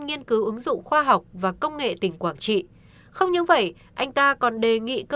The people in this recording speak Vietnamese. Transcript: nghiên cứu ứng dụng khoa học và công nghệ tỉnh quảng trị không những vậy anh ta còn đề nghị cơ